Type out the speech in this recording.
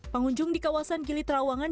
pengunjung di kawasan gili trawangan